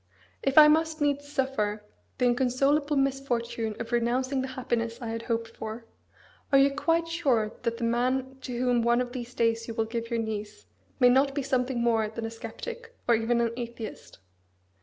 If I must needs suffer the inconsolable misfortune of renouncing the happiness I had hoped for, are you quite sure that the man to whom one of these days you will give your niece may not be something more than a sceptic, or even an atheist?"